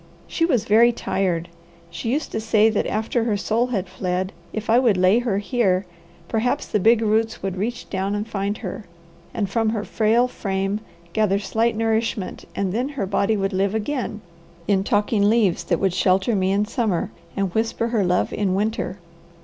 She was very tired. She used to say that after her soul had fled, if I would lay her here, perhaps the big roots would reach down and find her, and from her frail frame gather slight nourishment and then her body would live again in talking leaves that would shelter me in summer and whisper her love in winter.